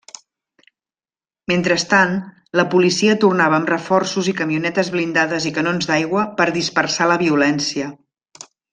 Mentrestant, la policia tornava amb reforços, camionetes blindades i canons d'aigua per dispersar la violència.